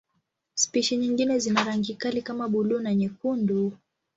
Spishi nyingine zina rangi kali kama buluu na nyekundu.